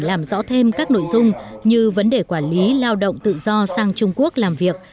làm rõ thêm các nội dung như vấn đề quản lý lao động tự do sang trung quốc làm việc